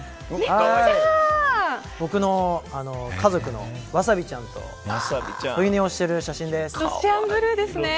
僕の家族のわさびちゃんと添い寝をしている写真です。